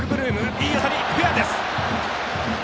いい当たり、フェアです。